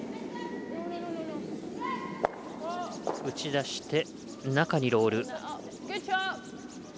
打ち出して中にロール。